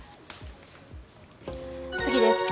次です。